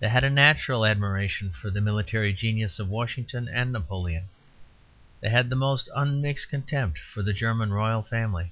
They had a natural admiration for the military genius of Washington and Napoleon; they had the most unmixed contempt for the German Royal Family.